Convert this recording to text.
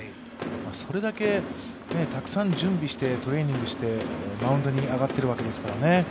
それだけたくさん準備してトレーニングしてマウンドに上がっているわけですからね。